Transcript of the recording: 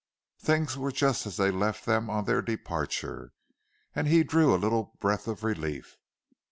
Things were just as they had left them on their departure, and he drew a little breath of relief.